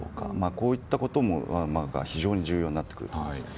こういったことも非常に重要になってくると思います。